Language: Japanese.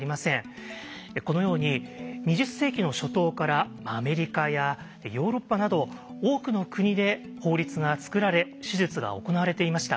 このように２０世紀の初頭からアメリカやヨーロッパなど多くの国で法律が作られ手術が行われていました。